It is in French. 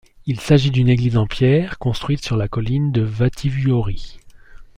Il s'agit d'une église en pierre construite sur la colline de Vahtivuori.